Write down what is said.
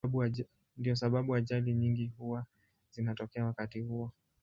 Ndiyo sababu ajali nyingi huwa zinatokea wakati huo.